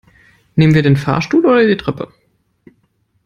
Nehmen wir den Fahrstuhl oder die Treppe?